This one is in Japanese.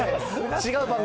違う番組。